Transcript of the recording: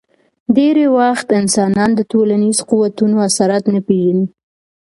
ډېری وخت انسانان د ټولنیزو قوتونو اثرات نه پېژني.